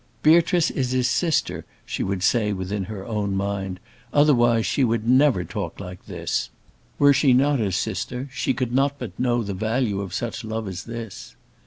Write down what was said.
"Beatrice is his sister," she would say within her own mind, "otherwise she would never talk like this; were she not his sister, she could not but know the value of such love as this."